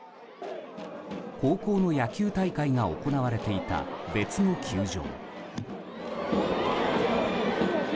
高校の野球大会が行われていた別の球場。